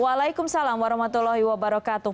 waalaikumsalam warahmatullahi wabarakatuh